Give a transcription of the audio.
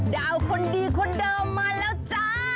ดาวคนดีคนเดิมมาแล้วจ้า